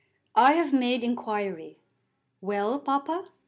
"I have made inquiry." "Well, papa?"